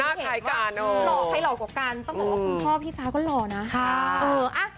ใครกันหล่อใครหล่อกว่ากันต้องบอกว่าคุณพ่อพี่ฟ้าก็หล่อนะ